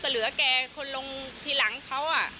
แต่เหลือแก่คนลงทีหลังเขาอ่ะ